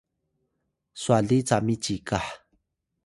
swaliy cami cikah